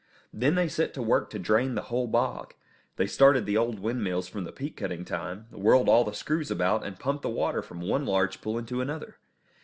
Then they set to work to drain the whole bog. They started the old windmills from the peat cutting time, whirled all the screws about, and pumped the water from one large pool into another.